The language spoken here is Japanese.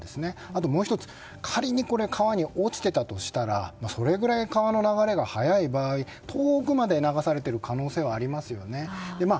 あともう１つ仮に川に落ちていたとしたらそれくらい川の流れが速い場合遠くまで流されている可能性もありますよね。